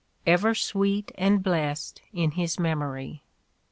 — ever sweet and blessed in his memory.